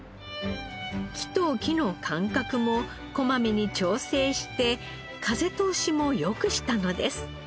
木と木の間隔もこまめに調整して風通しも良くしたのです。